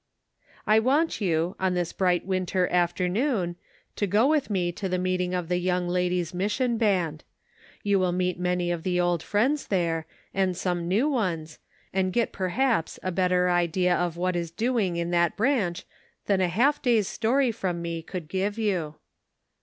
I want you, on this bright winter after noon, to go with me to the meeting of the Young Ladies' Mission Band. You will meet many of the old friends there, and some new ones, and get perhaps a better idea of what is doing in that branch than a half day's story from me could give you.